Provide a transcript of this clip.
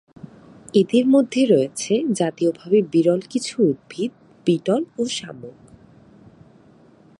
এদের মধ্যে রয়েছে জাতীয়ভাবে বিরল কিছু উদ্ভিদ, বিটল ও শামুক।